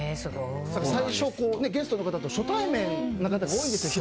最初、ゲストの方と初対面の方が多いんですよ。